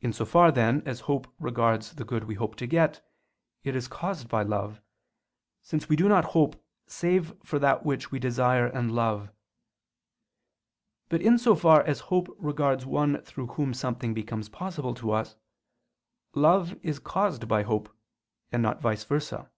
In so far, then, as hope regards the good we hope to get, it is caused by love: since we do not hope save for that which we desire and love. But in so far as hope regards one through whom something becomes possible to us, love is caused by hope, and not vice versa.